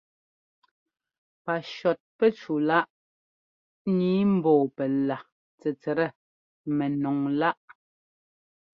Pacɔtpɛcúláꞌ nǐi ḿbɔ́ɔ pɛla tsɛtsɛt mɛnɔŋláꞌ.